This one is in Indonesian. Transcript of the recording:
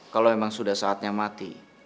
kalau memang sudah saatnya mati